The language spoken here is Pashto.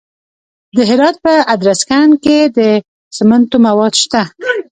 د هرات په ادرسکن کې د سمنټو مواد شته.